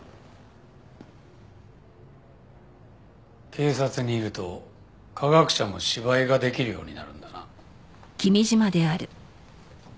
警察にいると科学者も芝居ができるようになるんだな。